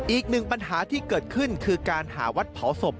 อีกหนึ่งปัญหาที่เกิดขึ้นคือการหาวัดเผาศพ